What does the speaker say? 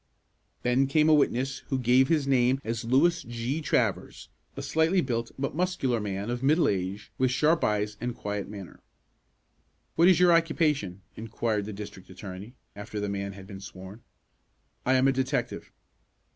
Then came a witness who gave his name as Lewis G. Travers; a slightly built, but muscular man, of middle age, with sharp eyes and quiet manner. "What is your occupation?" inquired the district attorney, after the man had been sworn. "I am a detective."